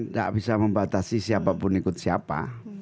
tidak bisa membatasi siapapun ikut siapa